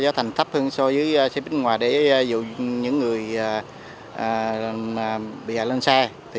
giá thẳng thấp hơn so với xe buýt ngoài để dụ những người bị hạ lên xe